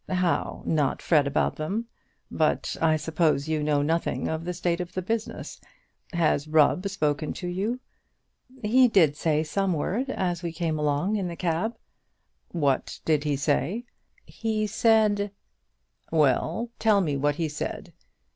"How, not fret about them? But I suppose you know nothing of the state of the business. Has Rubb spoken to you?" "He did say some word as we came along in the cab." "What did he say?" "He said " "Well, tell me what he said.